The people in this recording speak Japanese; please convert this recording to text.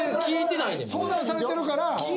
・相談されてるから。